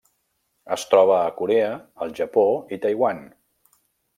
Es troba a Corea, el Japó i Taiwan.